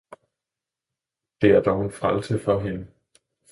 Det er dog en frelse for hende!